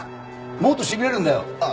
もっとしびれるんだよ。ああ。